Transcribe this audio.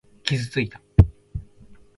傷ついた。